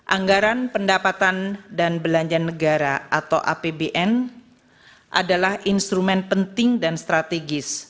anggaran pendapatan dan belanja negara atau apbn adalah instrumen penting dan strategis